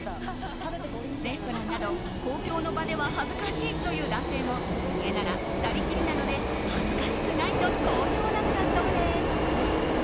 レストランなど公共の場では恥ずかしいという男性も家なら２人きりなので恥ずかしくないと好評なのだそうです。